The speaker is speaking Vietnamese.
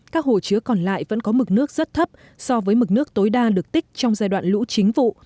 các hồ chứa còn lại vẫn có mực nước rất thấp so với mực nước tối đa được tích trong giai đoạn lũ chính vụ